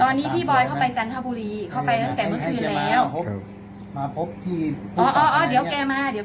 เราก็จะหยีดกลับไม่ได้อยู่แล้ว